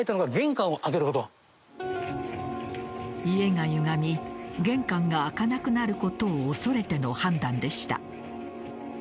家がゆがみ玄関が開かなくなることを恐れての判断でした。